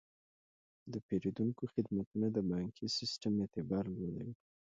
د پیرودونکو خدمتونه د بانکي سیستم اعتبار لوړوي.